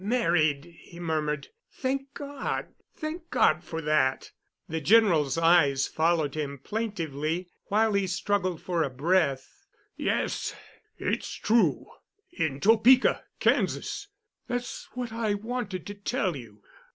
"Married!" he murmured, "Thank God! Thank God for that." The General's eyes followed him plaintively, while he struggled for breath. "Yes, it's true. In Topeka—Kansas. That's what I wanted to tell you.